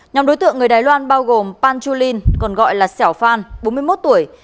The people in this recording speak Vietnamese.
nhóm đối tượng người đài loan bao gồm pan chu lin còn gọi là sẻo phan bốn mươi một tuổi